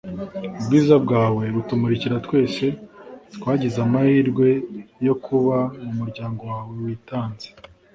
ubwiza bwawe butumurikira twese twagize amahirwe yo kuba mumuryango wawe witanze